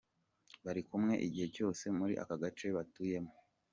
bari kumwe igihe cyose muri aka gace batuyemo.